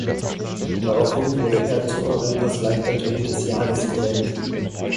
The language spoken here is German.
Daraufhin wurde er zu Europas Leichtathlet des Jahres gewählt.